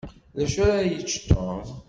D acu ara yečč Tom?